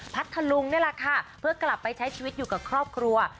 พัทธลุงนี่แหละค่ะเพื่อกลับไปใช้ชีวิตอยู่กับครอบครัว